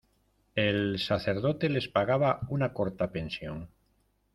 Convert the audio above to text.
El sacerdote les pagaba una corta pensión.